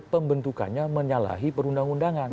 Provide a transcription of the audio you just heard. pembentukannya menyalahi perundang undangan